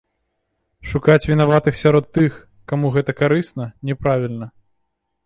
Шукаць вінаватых сярод тых, каму гэта карысна, няправільна.